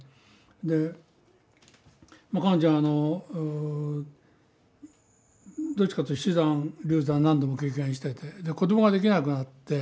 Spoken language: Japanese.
でもう彼女あのどっちかというと死産流産を何度も繰り返してて子供ができなくなって。